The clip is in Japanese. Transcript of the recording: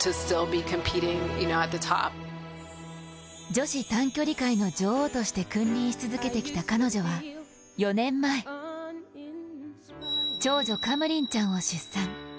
女子短距離界の女王として君臨し続けてきた彼女は４年前、長女・カムリンちゃんを出産。